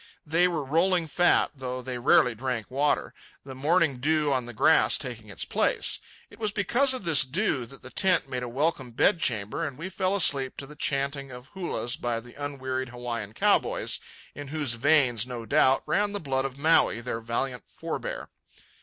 They were rolling fat, though they rarely drank water, the morning dew on the grass taking its place. It was because of this dew that the tent made a welcome bedchamber, and we fell asleep to the chanting of hulas by the unwearied Hawaiian cow boys, in whose veins, no doubt, ran the blood of Maui, their valiant forebear.